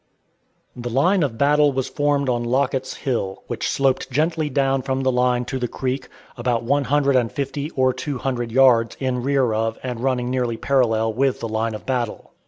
The line of battle was formed on Locket's Hill, which sloped gently down from the line to the creek, about one hundred and fifty or two hundred yards in rear of and running nearly parallel with the line of battle.